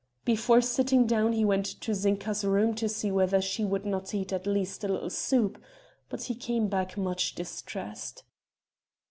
Before sitting down he went to Zinka's room to see whether she would not eat at least a little soup; but he came back much distressed.